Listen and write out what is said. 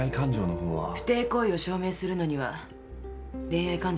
不貞行為を証明するのには恋愛感情は関係ない。